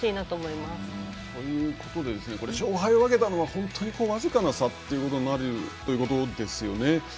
ということで勝敗を分けたのは本当に僅かな差ということになるということですよね。